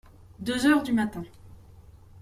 Deux heures du matin.